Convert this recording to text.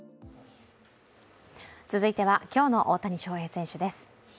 続いては今日の大谷翔平選手です。